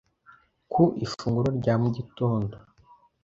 ku ifunguro rya mu gitondo